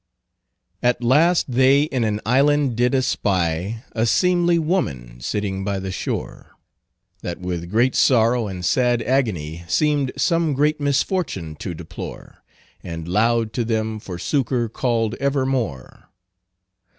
"At last they in an island did espy A seemly woman sitting by the shore, That with great sorrow and sad agony Seemed some great misfortune to deplore; And loud to them for succor called evermore."